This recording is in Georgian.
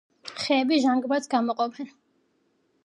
ხეები ჟანგბადს გამოყოფენ